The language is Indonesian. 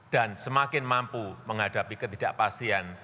dan semakin mampu menghadapi ketidakpastian